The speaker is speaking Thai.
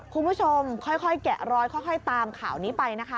คุณผู้ชมค่อยแกะรอยค่อยตามข่าวนี้ไปนะคะ